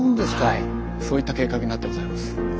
はいそういった計画になってございます。